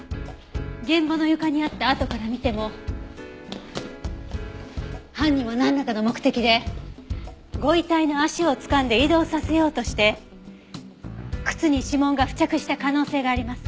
現場の床にあった跡から見ても犯人はなんらかの目的でご遺体の足をつかんで移動させようとして靴に指紋が付着した可能性があります。